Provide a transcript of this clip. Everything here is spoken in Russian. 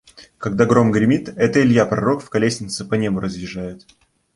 Когда гром гремит, это Илья-пророк в колеснице по небу разъезжает.